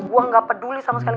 gue gak peduli sama sekali